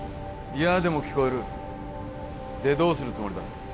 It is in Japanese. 嫌でも聞こえるでどうするつもりだ？